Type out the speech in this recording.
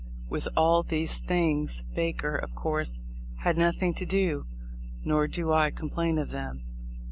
With all these things Baker, of course, had nothing to do ; nor do I complain of them.